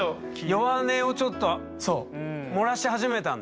弱音をちょっと漏らし始めたんだ？